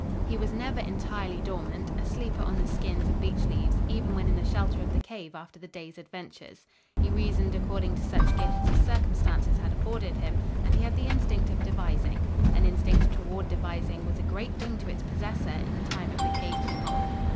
He was never entirely dormant, a sleeper on the skins and beech leaves, even when in the shelter of the cave, after the day's adventures. He reasoned according to such gifts as circumstances had afforded him and he had the instinct of devising. An instinct toward devising was a great thing to its possessor in the time of the cave people.